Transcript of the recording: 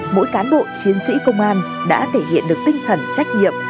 mỗi cán bộ chiến sĩ công an đã thể hiện được tinh thần trách nhiệm